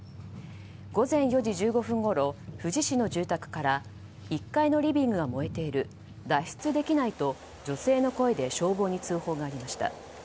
午前４時１５分ごろ富士市の住宅から１階のリビングが燃えている脱出できないと女性の声で消防に通報がありました。